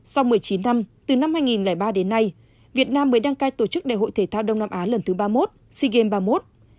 sau một mươi chín năm từ năm hai nghìn ba đến nay việt nam mới đăng cai tổ chức đại hội thể thao đông nam á lần thứ ba mươi một sea games ba mươi một